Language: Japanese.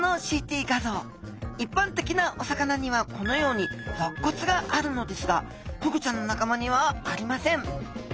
いっぱんてきなお魚にはこのようにろっ骨があるのですがフグちゃんのなかまにはありません